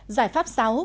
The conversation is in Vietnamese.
giải pháp sáu